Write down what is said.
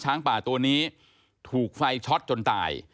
ป่าตัวนี้ถูกไฟช็อตจนตาย